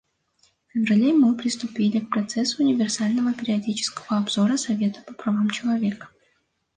В феврале мы приступили к процессу универсального периодического обзора Совета по правам человека.